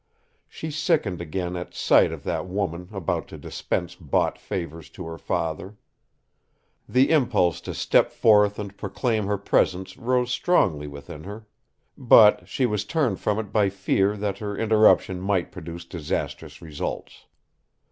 She sickened again at sight of that woman about to dispense bought favours to her father. The impulse to step forth and proclaim her presence rose strongly within her; but she was turned from it by fear that her interruption might produce disastrous results.